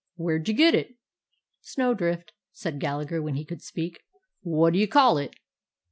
"Where 'd you get it?" "Snowdrift," said Gallagher, when he could speak. "What d* you call it?"